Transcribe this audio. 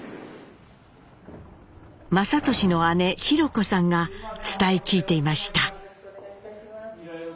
雅俊の姉・弘子さんが伝え聞いていました。